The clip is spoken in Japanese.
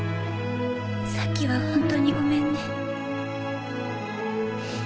さっきは本当にごめんね。